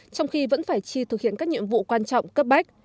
trong khi vẫn phải chi thực hiện các nhiệm vụ quan trọng cấp bách